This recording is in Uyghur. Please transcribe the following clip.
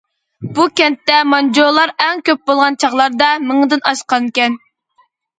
بۇ كەنتتە مانجۇلار ئەڭ كۆپ بولغان چاغلاردا مىڭدىن ئاشقانىكەن.